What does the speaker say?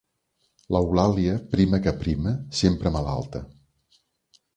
L'Eulàlia, prima que prima, sempre malalta.